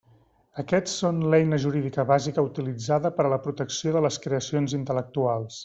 Aquests són l'eina jurídica bàsica utilitzada per a la protecció de les creacions intel·lectuals.